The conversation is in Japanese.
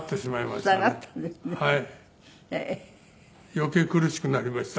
余計苦しくなりました。